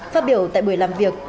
phát biểu tại buổi làm việc